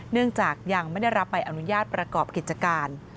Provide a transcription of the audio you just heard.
เนื่องจากยังไม่ได้รับใบอนุญาตประกอบกิจการ